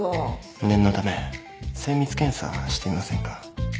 念のため精密検査してみませんか？